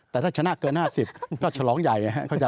แต่ถ้าชนะเกิน๕๐ก็ฉลองใหญ่